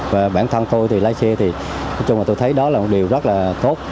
và bản thân tôi thì lái xe thì nói chung là tôi thấy đó là một điều rất là tốt